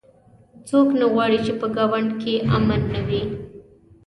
څوک نه غواړي چې په ګاونډ کې امن نه وي